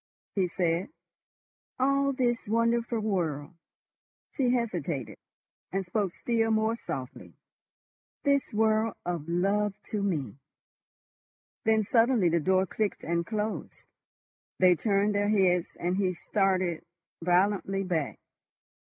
he said. "All this wonderful world—" she hesitated, and spoke still more softly—"this world of love to me." Then suddenly the door clicked and closed. They turned their heads, and he started violently back.